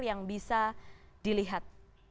yang bisa dilihat